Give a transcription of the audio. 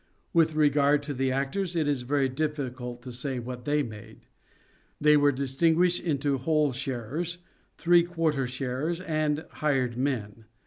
With regard to the actors, it is very difficult to say what they made. They were distinguished into whole sharers, three quarter sharers, and hired men.